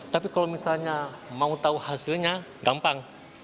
tapi kalau misalnya mau tahu hasilnya gampang